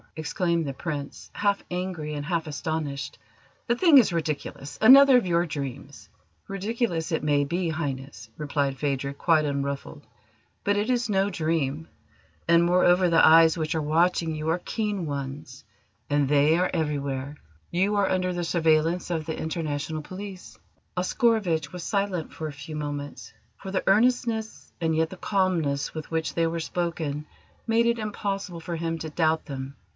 exclaimed the Prince, half angry and half astonished. "The thing is ridiculous; another of your dreams!" "Ridiculous it may be, Highness," replied Phadrig, quite unruffled, "but it is no dream; and, moreover, the eyes which are watching you are keen ones and they are everywhere. You are under the surveillance of the International Police." These were not words which even a Prince of the Holy Russian Empire cared to hear. Oscarovitch was silent for a few moments, for the earnestness, and yet the calmness, with which they were spoken made it impossible for him to doubt them.